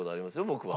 僕は。